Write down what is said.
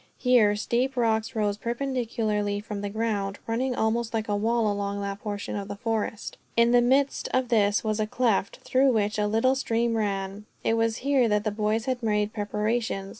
Here steep rocks rose perpendicularly from the ground, running almost like a wall along that portion of the forest. In the midst of this was a cleft, through which a little stream ran. It was here that the boys had made preparations.